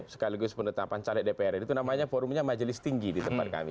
sekaligus penetapan caleg dpr itu namanya forumnya majelis tinggi di tempat kami